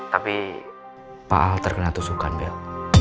tapi pak al terkena tusukan bel